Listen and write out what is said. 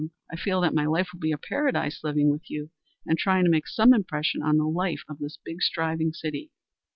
I feel that my life will be a paradise living with you and trying to make some impression on the life of this big, striving city.